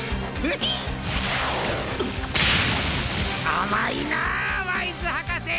甘いなぁワイズ博士。